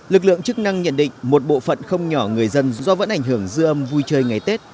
lực lượng chức năng nhận định một bộ phận không nhỏ người dân do vẫn ảnh hưởng dư âm vui chơi ngày tết